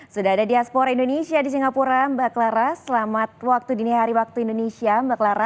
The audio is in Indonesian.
sudah ada diaspora indonesia di singapura mbak clara selamat waktu dini hari waktu indonesia mbak clara